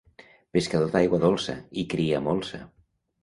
Pescador d'aigua dolça, hi cria molsa.